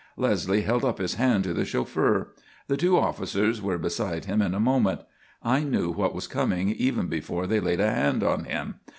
Leslie held up his hand to the chauffeur. The two officers were beside him in a moment. I knew what was coming even before they laid a hand on him.